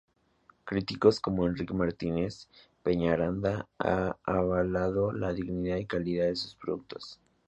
Críticos como Enrique Martínez Peñaranda han alabado la dignidad y calidad de sus productos.